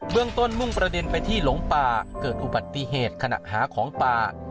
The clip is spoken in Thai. เมืองต้นมุ่งประเด็นไปที่หลงป่าเกิดอุบัติเหตุขณะหาของป่า